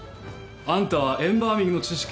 あんたはエンバーミングの知識。